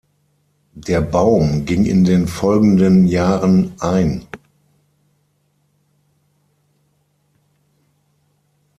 Der Baum ging in den folgenden Jahren ein.